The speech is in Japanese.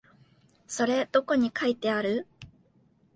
それどこに書いてある？